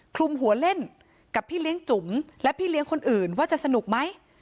คลุมหัวเล่นกับพี่เลี้ยงจุ๋มและพี่เลี้ยงคนอื่นว่าจะสนุกไหม